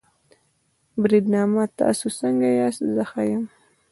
بریدمنه تاسې څنګه یاست؟ زه ښه یم.